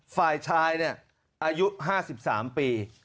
ฝ่ายชายเนี่ยอายุ๕๓ปี